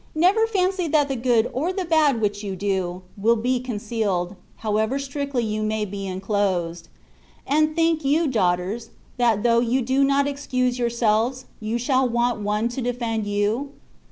Never fancy that the good or the bad which you do, will be concealed, however strictly you may be enclosed. And think you, daughters, that though you do not excuse yourselves, you shall want one to defend you?